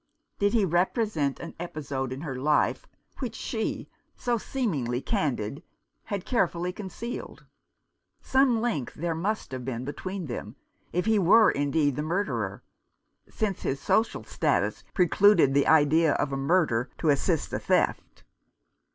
Did he represent an episode in her life which she, so seemingly candid, had carefully concealed ? Some link there must have been between them, if he were indeed the murderer, since his social status precluded the idea of a murder to assist a theft.